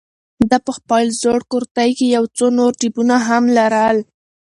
ده په خپل زوړ کورتۍ کې یو څو نور جېبونه هم لرل.